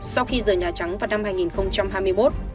sau khi rời nhà trắng vào năm hai nghìn hai mươi một